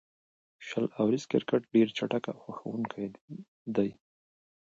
شل اوریز کرکټ ډېر چټک او خوښوونکی دئ.